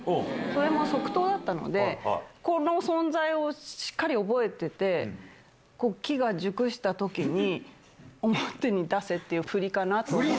それも即答だったので、この存在をしっかり覚えてて、機が熟したときに、表に出せっていう振りかなと思って。